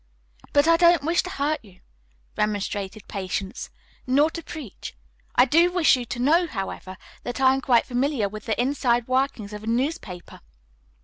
"But I don't wish to hurt you," remonstrated Patience, "nor to preach. I do wish you to know, however, that I am quite familiar with the inside workings of a newspaper.